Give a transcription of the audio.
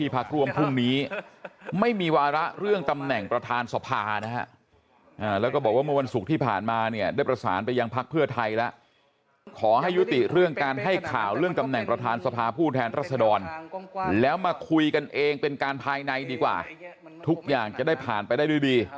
เพราะฉะนั้นยังไม่ถึงตรงนั้นครับ